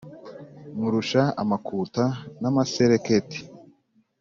Nkurusha amakuta n' amasereketi